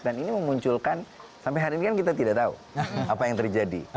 ini memunculkan sampai hari ini kan kita tidak tahu apa yang terjadi